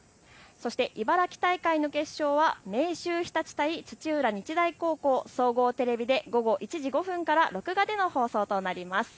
そして茨城大会の決勝は明秀日立対土浦日大高校総合テレビで午後１時５分から録画での放送となります。